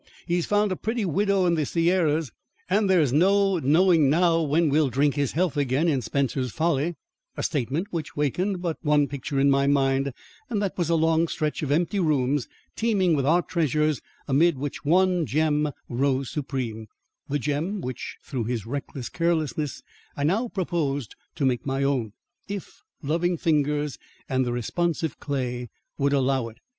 He's found a pretty widow in the Sierras, and there's no knowing now when we'll drink his health again in Spencer's Folly:" a statement which wakened but one picture in my mind and that was a long stretch of empty rooms teeming with art treasures amid which one gem rose supreme the gem which through his reckless carelessness, I now proposed to make my own, if loving fingers and the responsive clay would allow it.